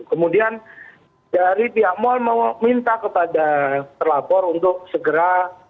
kemudian dari pihak mall minta kepada terlapor untuk segera